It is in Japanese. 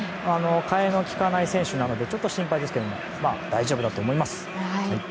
替えの利かない選手なのでちょっと心配ですが大丈夫だと思います。